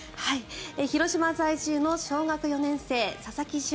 広島在住の小学４年生佐々木駿